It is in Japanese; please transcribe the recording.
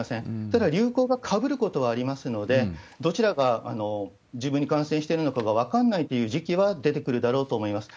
ただ、流行がかぶることはありますので、どちらか自分に感染してるのが分からないという時期は出てくるだろうと思います。